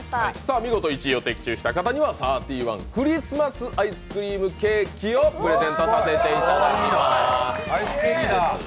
見事１位を的中した方にはサーティワンクリスマスアイスクリームケーキをプレゼントさせていただきます。